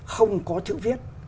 không có chữ viết